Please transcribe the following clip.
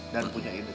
dan punya hidup